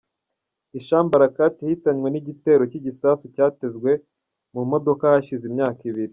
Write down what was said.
Hisham Barakat yahitanywe n'igitero cy'igisasu cyatezwe mu modoka hashize imyaka ibiri.